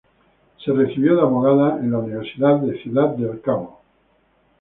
Se recibió de abogado en la Universidad de Ciudad del Cabo.